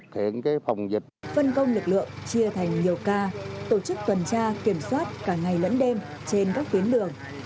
phân công lực lượng chia thành nhiều ca tổ chức tuần tra kiểm soát cả ngày lẫn đêm trên các tuyến đường